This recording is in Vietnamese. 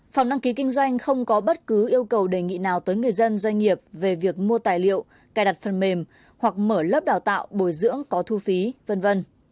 phòng đăng ký kinh doanh không có bất cứ yêu cầu đề nghị nào tới người dân doanh nghiệp về việc mua tài liệu cài đặt phần mềm hoặc mở lớp đào tạo bồi dưỡng có thu phí v v